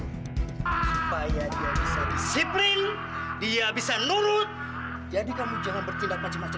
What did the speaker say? supaya dia bisa disiplin dia bisa nurut jadi kamu jangan bertindak macam macam